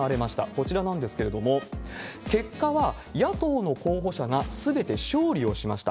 こちらなんですけれども、結果は、野党の候補者がすべて勝利をしました。